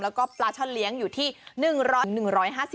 แล้วก็ปลาช่อนเลี้ยงอยู่ที่๑๕๐บาท